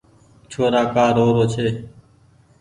ڇورآ ڪآ رو رو ڇي